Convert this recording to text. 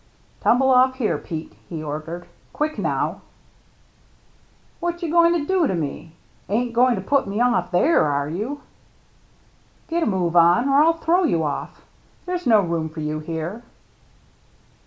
"Tumble ofF there, Pete," he ordered. "Quick, now." 28 THE MERRT ANNE "What you going to do to me? Ain't goin* to put me off there, are you ?" "Get a move on, or I'll throw you ofF. There's no room for you here."